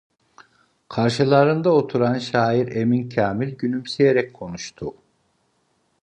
Karşılarında oturan şair Emin Kâmil gülümseyerek konuştu: